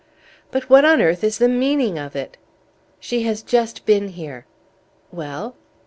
"But what on earth is the meaning of it?" "She has just been here." "Well?"